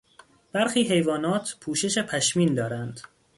برخی حیوانات پوشش پشمین دارند.